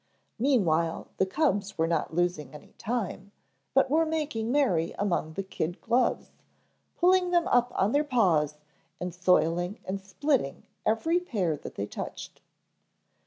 Meanwhile the cubs were not losing any time, but were making merry among the kid gloves, pulling them up on their paws and soiling and splitting every pair that they touched.